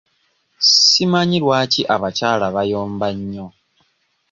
Simanyi lwaki abakyala bayomba nnyo?